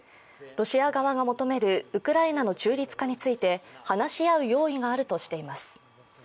ロシア側が求めるウクライナの中立化について話し合う用意があるとしています。